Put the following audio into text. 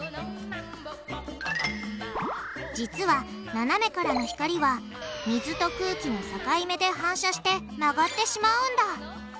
実はななめからの光は水と空気の境目で反射して曲がってしまうんだ。